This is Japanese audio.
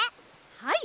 はい。